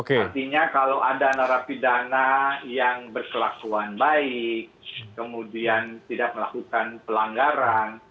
artinya kalau ada narapidana yang berkelakuan baik kemudian tidak melakukan pelanggaran